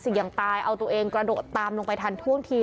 เสี่ยงตายเอาตัวเองกระโดดตามลงไปทันท่วงที